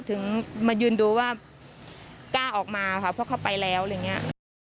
ถึงมายืนดูว่ากล้าออกมาค่ะเพราะเขาไปแล้วอะไรอย่างนี้